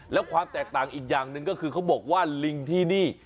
แล้วความแตกต่างอีกอย่างหนึ่งก็คือเขาบอกว่าลิงที่นี่